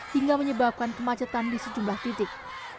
hingga menyebabkan kemacetan di sejumlah titik